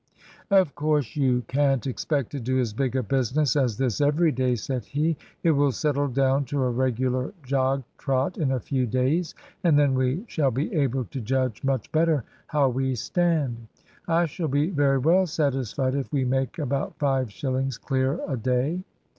"Of course, you can't expect to do as big a business as this every day," said he. "It will settle down to a regular jog trot in a few days, and then we shall be able to judge much better how we stand. I shall be very well satisfied if we make about five shillings clear a day."